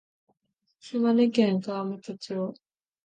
島根県川本町